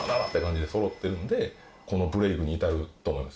このブレイクに至ると思いますよ。